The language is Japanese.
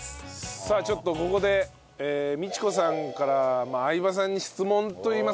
さあちょっとここで道子さんから相葉さんに質問といいますか聞きたい事。